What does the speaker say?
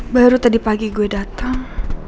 baru tadi pagi gue datang